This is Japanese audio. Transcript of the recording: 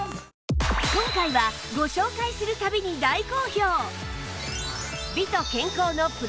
今回はご紹介する度に大好評！